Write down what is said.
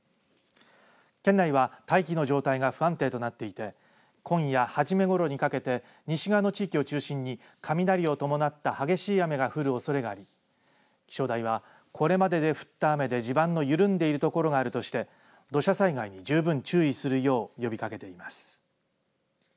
県内は大気の状態が不安定となっていて今夜初めごろにかけて西側の地域を中心に雷を伴った激しい雨が降るおそれがあり気象台は、これまでで降った雨で地盤の緩んでいる所があるとして土砂災害に十分注意するよう呼びかけています。